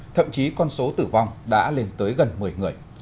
thậm chí con số tử vong đã lên tới gần một mươi người